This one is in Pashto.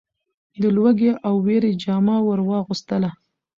د لوږې او وېري جامه ور واغوستله .